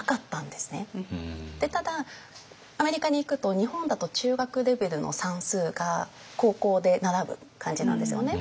ただアメリカに行くと日本だと中学レベルの算数が高校で習う感じなんですよね。